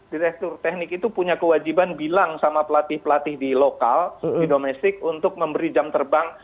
direktur teknik itu punya kewajiban bilang sama pelatih pelatih di lokal di domestik untuk memberi jam terbang